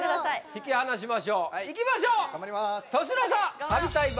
引き離しましょういきましょう年の差